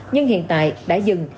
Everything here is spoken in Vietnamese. nhưng hiện tại đã dừng